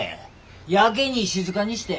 やけに静かにして。